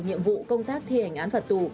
nhiệm vụ công tác thi hành án phạt tù